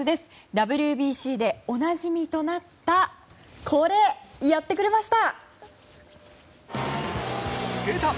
ＷＢＣでおなじみとなったこれ、やってくれました！